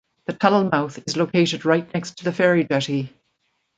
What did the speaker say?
The tunnel mouth is located right next to the ferry jetty.